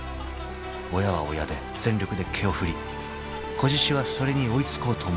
［親は親で全力で毛を振り仔獅子はそれに追い付こうともがく］